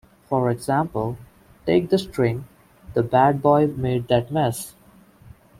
For example, take the string "the bad boy made that mess".